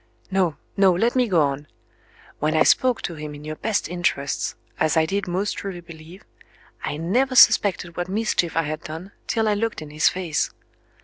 No, no; let me go on. When I spoke to him in your best interests (as I did most truly believe) I never suspected what mischief I had done, till I looked in his face.